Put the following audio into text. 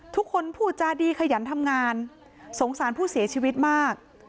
ผู้จาดีขยันทำงานสงสารผู้เสียชีวิตมาก